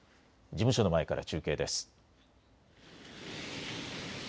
事務所の前から中継です。